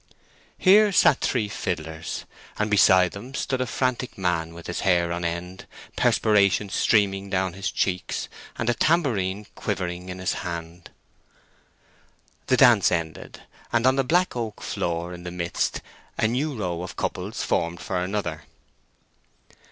Here sat three fiddlers, and beside them stood a frantic man with his hair on end, perspiration streaming down his cheeks, and a tambourine quivering in his hand. The dance ended, and on the black oak floor in the midst a new row of couples formed for another.